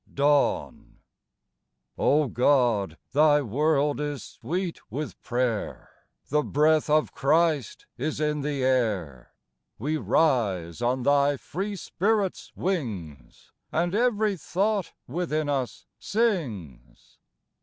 DAWN. OGOD, Thy world is sweet with prayer ; The breath of Christ is in the air ; We rise on Thy free Spirit's wings, And every thought within us sings.